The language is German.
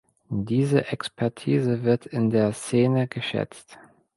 Diese Expertise wird in der Szene geschätzt.